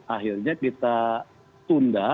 akhirnya kita tunda